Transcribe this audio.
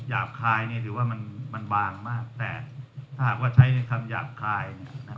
หยาบคายถือว่ามันบางมากแต่ถ้าหากว่าใช้ในคำหยาบคาย